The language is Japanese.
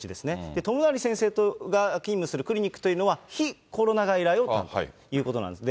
友成先生が勤務するクリニックというのは、非コロナ外来を担当ということなんですね。